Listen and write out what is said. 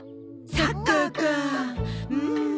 サッカーかあうん。